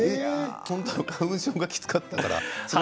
花粉症がきつかったから？